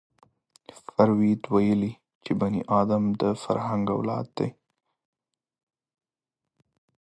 فروید ویلي چې بني ادم د فرهنګ اولاد دی